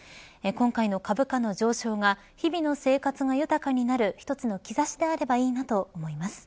今回の株価の上昇が日々の生活が豊かになる１つの兆しであればいいなと思います。